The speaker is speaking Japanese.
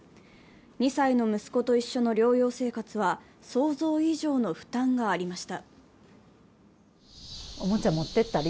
２歳の息子と一緒の療養生活は想像以上の負担がありました。